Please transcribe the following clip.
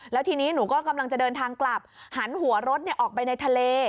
แล้วทีนี้หนูก็กำลังจะเดินทางกลับหันหัวรถออกไปในทะเล